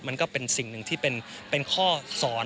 มันก็เป็นสิ่งหนึ่งที่เป็นข้อสอน